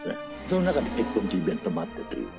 その中で、結婚というイベントもあったという。